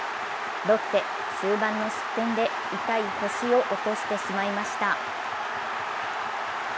ロッテ、終盤の失点で痛い星を落としてしまいました。